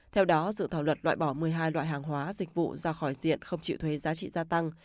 theo đó dự thảo luật loại bỏ một mươi hai loại hàng hóa dịch vụ ra khỏi diện không chịu thuế giá trị gia tăng